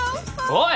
おい！